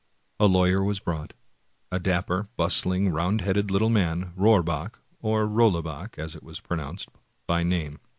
The lawyer was brought, — a dapper, bustling, round headed little man. Roorback (or Rollebuck, as it was pro nounced) by name.